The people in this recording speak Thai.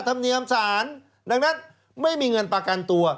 เขาเพราะว่าอะไรเขาเพราะไม่มีเงินประกันตัว